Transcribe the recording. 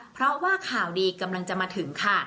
เพราะว่าข่าวดีกำลังจะมาถึงค่ะ